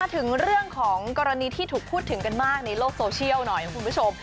ถึงเรื่องของกรณีที่ถูกพูดถึงกันมากในโลกโซเชียลหน่อยคุณผู้ชม